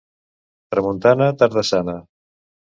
Tramuntana, tarda sana.